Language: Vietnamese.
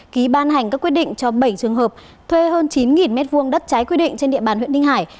ký ban hành các quyết định cho bảy trường hợp thuê hơn chín m hai đất trái quy định trên địa bàn huyện ninh hải